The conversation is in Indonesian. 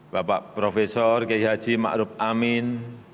bapak profesor geyhaji ma'ruf amin